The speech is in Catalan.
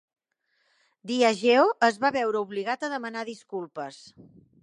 Diageo es va veure obligat a demanar disculpes.